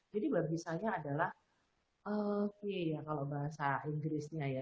jadi bagi saya adalah oke ya kalau bahasa inggrisnya ya